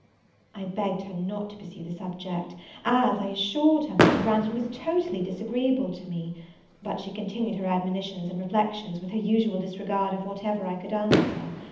I begged her not to pursue the subject, as, I assured her, Mr. Branghton was totally disagreeable to me; but she continued her admonitions and reflections, with her usual disregard of whatever I could answer.